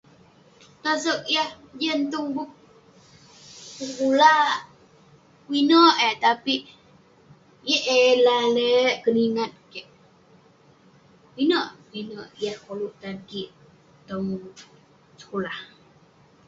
Tosog yah jian tong bup sekulah, pinek eh, tapik..yeng eh lalek keningat kik..pinek, pinek yah koluk tan kik tong sekulah.